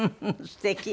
すてき。